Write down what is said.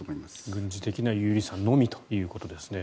軍事的な有利さのみということですね。